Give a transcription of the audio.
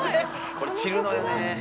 これ散るのよねえ。